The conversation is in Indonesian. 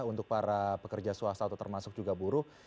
untuk para pekerja swasta atau termasuk juga buruh